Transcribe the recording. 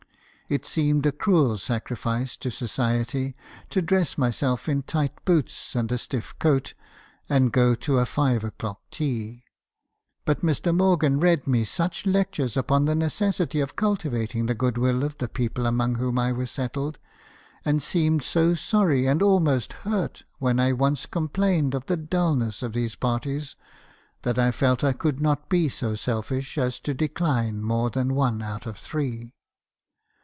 It seemed a cruel sacrifice to society to dress myself in tight boots, and a stiff coat, and go to a five o'clock tea. But Mr. Morgan read me such lectures upon the necessity of cultivating the good will of the people among whom I was settled, and seemed so sorry, and almost hurt, when I once complained of the dulness of these parties, that I felt I could not be so selfish as to decline more than one out of three.